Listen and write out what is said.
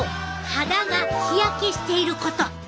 肌が日焼けしていること！